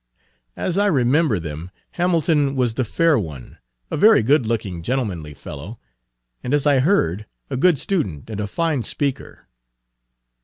As I remember them, Hamilton was the fair one a very good looking, gentlemanly fellow, and, as I heard, a good student and a fine speaker."